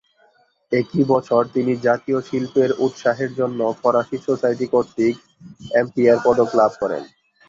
একই বছর তিনি জাতীয় শিল্পের উৎসাহের জন্য ফরাসি সোসাইটি কর্তৃক অ্যাম্পিয়ার পদক লাভ করেন।